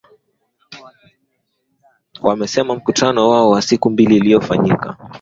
wamesema mkutano wao wa siku mbili uliofanyika